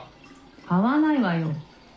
・買わないわよ。